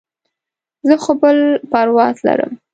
زه خو بل پرواز لرم.